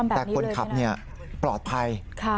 แต่คนขับปลอดภัย